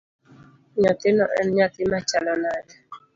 Nyathino en nyathi machalo nade?